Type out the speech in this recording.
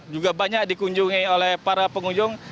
juga banyak dikunjungi oleh para pengunjung